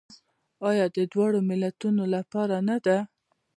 آیا د دواړو ملتونو لپاره نه ده؟